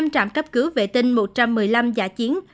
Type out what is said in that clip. năm trạm cấp cứu vệ tinh một trăm một mươi năm giả chiến